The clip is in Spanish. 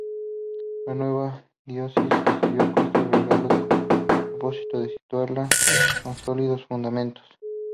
La nueva diócesis recibió costos regalos, con el propósito de situarla con sólidos fundamentos.